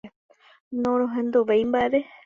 Norohenduvéi mba'eve.